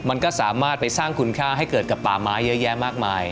มันก็สามารถไปสร้างคุณค่าให้เกิดกับป่าไม้เยอะแยะมากมาย